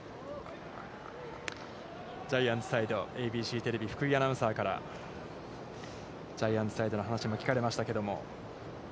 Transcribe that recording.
ジャイアンツサイド、ＡＢＣテレビ福井アナウンサーからジャイアンツサイドの話も聞かれましたけれども。